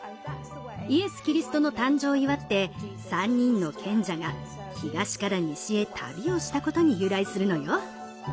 イエス・キリストの誕生を祝って３人の賢者が東から西へ旅をしたことに由来するのよ。